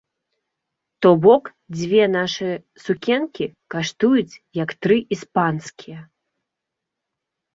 То бок дзве нашы сукенкі каштуюць як тры іспанскія.